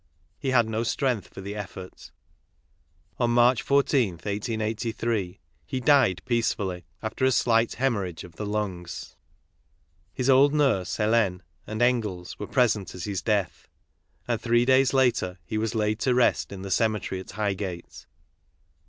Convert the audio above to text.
He had no strength for the effort. On March 14th, 1883, he died peacefully, after a slight hcemorrhage of the lungs. His old nurse, Helene, and Engels were present at his death; and three days later he was laid to rest in the cemetery at Highgate.